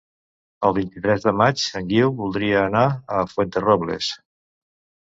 El vint-i-tres de maig en Guiu voldria anar a Fuenterrobles.